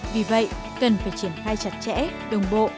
vì vậy cần phải triển khai chặt chẽ đồng bộ